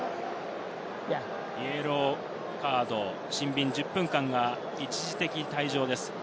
イエローカード、シンビン、１０分間が一時的退場です。